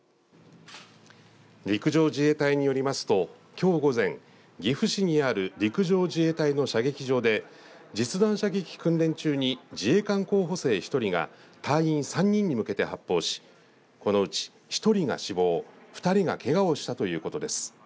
陸上自衛隊によりますときょう午前岐阜市にある陸上自衛隊の射撃場で実弾射撃訓練中に自衛官候補生１人が隊員３人に向けて発砲しこのうち１人が死亡２人がけがをしたということです。